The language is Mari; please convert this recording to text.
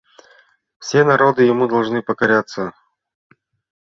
Все народы ему должны покоряться.